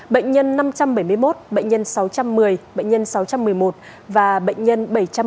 bệnh nhân năm trăm bảy mươi một bệnh nhân sáu trăm một mươi bệnh nhân sáu trăm một mươi một và bệnh nhân bảy trăm ba mươi